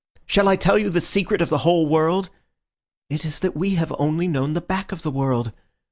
"Shall I tell you the secret of the whole world? It is that we have only known the back of the world.